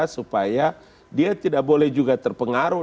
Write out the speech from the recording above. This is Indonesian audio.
supaya dia tidak boleh juga terpengaruh